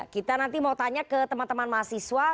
kita nanti mau tanya ke teman teman mahasiswa